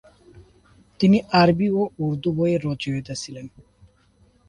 তিনি আরবি ও উর্দু বইয়ের রচয়িতা ছিলেন।